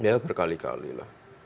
ya berkali kali lah